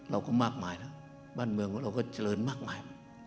เราก็มากมายนะบ้านเมืองของเราก็เจริญมากมาย